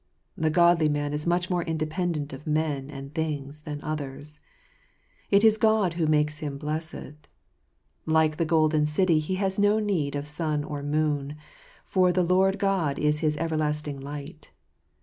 The godly man is much more independent of men and things than others. It is God who makes him blessed. Like the golden city, he has no need of sun or moon, for the Lord God is his everlasting light.